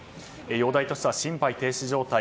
容体としては心肺停止状態。